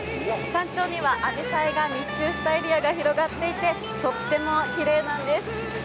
山頂にはあじさいが密集したエリアが広がっていてとってもきれいなんです。